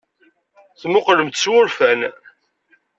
Temmuqqlem-tt s wurfan.